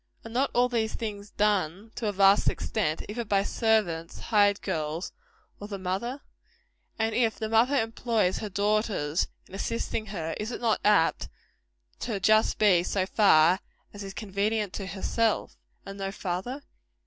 Are not all these things done, to a vast extent, either by servants, hired girls, or the mother? And if the mother employs her daughters in assisting her, is it not apt to be just so far as is convenient to herself, and no farther?